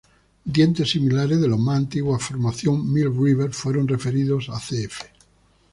Dientes similares de la más antigua Formación Milk River fueron referidos a "cf.